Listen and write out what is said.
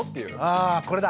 あこれだ。